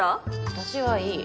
私はいい。